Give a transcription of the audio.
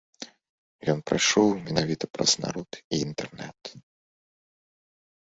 Ён прайшоў менавіта праз народ і інтэрнэт.